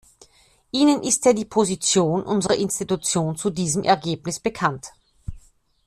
Ihnen ist ja die Position unserer Institution zu diesem Ergebnis bekannt.